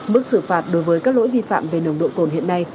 mức xử phạt đối với các lỗi vi phạm về nồng độ cồn hiện nay